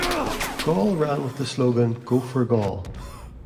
Gaul ran with the slogan Go For Gaul!